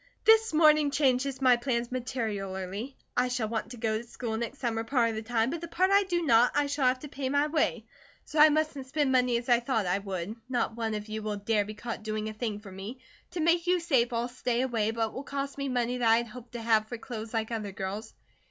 This morning changes my plans materially. I shall want to go to school next summer part of the time, but the part I do not, I shall have to pay my way, so I mustn't spend money as I thought I would. Not one of you will dare be caught doing a thing for me. To make you safe I'll stay away, but it will cost me money that I'd hoped to have for clothes like other girls."